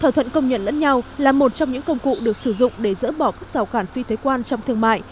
thỏa thuận công nhận lẫn nhau là một trong những công cụ được sử dụng để dỡ bỏ các rào cản phi thế quan trong thương mại